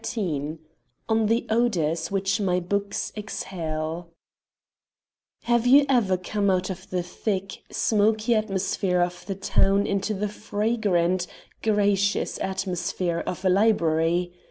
XIII ON THE ODORS WHICH MY BOOKS EXHALE Have you ever come out of the thick, smoky atmosphere of the town into the fragrant, gracious atmosphere of a library?